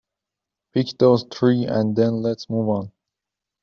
Pick those three and then let's move on.